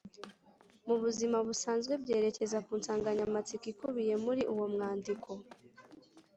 mu buzima busanzwe byerekeza ku nsanganyamatsiko ikubiye muri uwo mwandiko